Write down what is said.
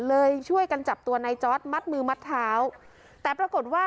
ช่วยกันจับตัวในจอร์ดมัดมือมัดเท้าแต่ปรากฏว่า